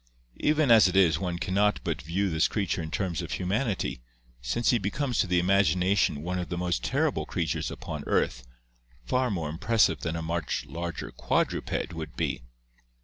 Even as it is one can not but view this creature in terms of humanity, hence he becomes to the imagina tion one of the most terrible creatures upon earth, far more im pressive than a much larger quadruped would be.